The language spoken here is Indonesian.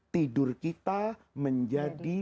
tidur kita menjadi